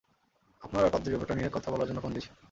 আপনার আর পাদ্রীর ব্যাপারটা নিয়ে কথা বলার জন্য ফোন দিয়েছি!